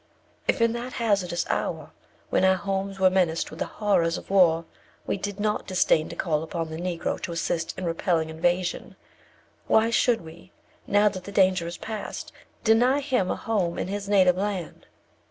If in that hazardous hour, when our homes were menaced with the horrors of war, we did not disdain to call upon the Negro to assist in repelling invasion, why should we, now that the danger is past, deny him a home in his native land?"